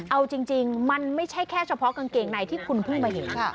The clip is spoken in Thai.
เอาจริงมันไม่ใช่แค่เฉพาะกางเกงในที่คุณเพิ่งมาเห็น